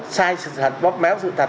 sai sự thật bóp méo sự thật